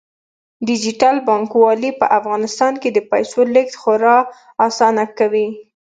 ډیجیټل بانکوالي په افغانستان کې د پیسو لیږد خورا اسانه کوي.